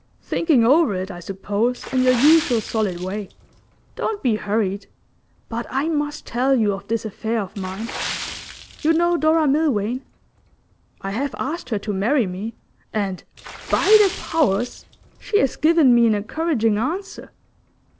'Thinking over it, I suppose, in your usual solid way. Don't be hurried. But I must tell you of this affair of mine. You know Dora Milvain? I have asked her to marry me, and, by the Powers! she has given me an encouraging answer.